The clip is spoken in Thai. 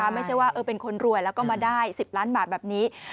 ไม่ใช่ว่าเป็นคนรวยแล้วก็มาได้๑๐ล้านบาทแบบนี้